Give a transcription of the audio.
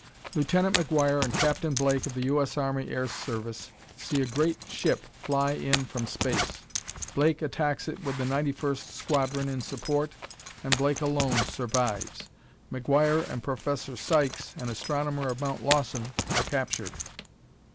Lieutenant McGuire and Captain Blake of the U. S. Army Air Service see a great ship fly in from space. Blake attacks it with the 91st Squadron in support, and Blake alone survives. McGuire and Professor Sykes, an astronomer of Mount Lawson, are captured.